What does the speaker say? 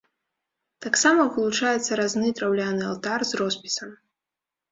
Таксама вылучаецца разны драўляны алтар з роспісам.